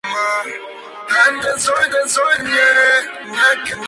Tiene un clima tropical seco.